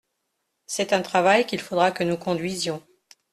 C’est un travail qu’il faudra que nous conduisions.